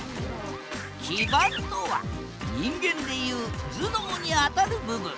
「基板」とは人間でいう頭脳にあたる部分。